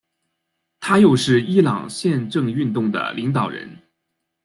他又是伊朗宪政运动的领导人。